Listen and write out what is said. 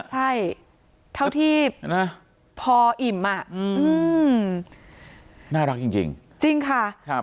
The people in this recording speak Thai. ใช่เท่าที่น่ะพออิ่มอ่ะอืมน่ารักจริงจริงจริงค่ะครับ